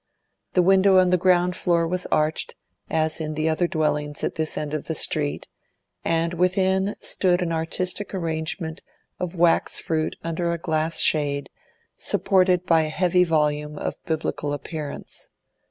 The window on the ground floor was arched, as in the other dwellings at this end of the street, and within stood an artistic arrangement of wax fruit under a glass shade, supported by a heavy volume of Biblical appearance.